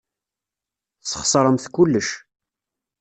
Tesxeṣremt kullec.